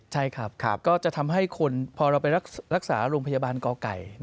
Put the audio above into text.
ใช่ครับก็จะทำให้คนพอเราไปรักษาโรงพยาบาลกไก่